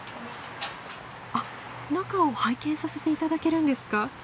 あっ中を拝見させて頂けるんですか？